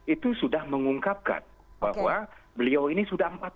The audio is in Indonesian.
itu sudah mengungkapkan bahwa beliau ini sudah empat tahun